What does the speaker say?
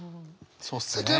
そうっすね。